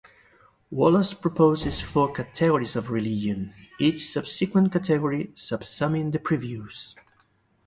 Wallace proposes four categories of religion, each subsequent category subsuming the previous.